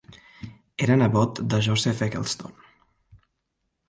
Era nebot de Joseph Eggleston.